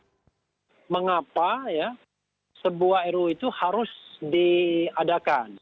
sebuah argumentasi mengapa ya sebuah ruu itu harus diadakan